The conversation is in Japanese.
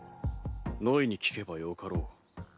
ノイに聞けばよかろう。